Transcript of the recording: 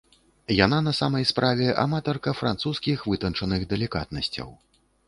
Яна на самай справе аматарка французскіх вытанчаных далікатнасцяў.